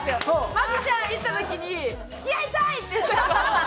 麻貴ちゃんいった時に「付き合いたい！」って言ってた。